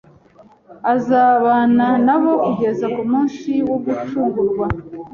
Azabana nabo kugeza ku munsi wo gucungurwa."